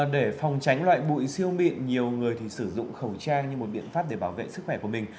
để phòng tránh loại bụi siêu mịn nhiều người sử dụng khẩu trang như một biện pháp để bảo vệ sức khỏe của mình